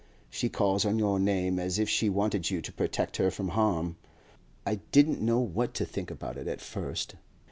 She calls on your name, as if she wanted you to protect her from harm. I didn't know what to think about it at first.